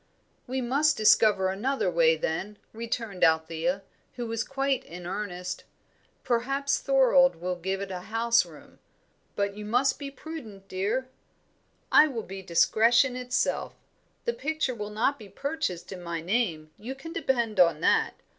"We must discover another way, then," returned Althea, who was quite in earnest. "Perhaps Thorold will give it house room." "But you must be prudent, dear." "I will be discretion itself. The picture will not be purchased in my name, you can depend on that.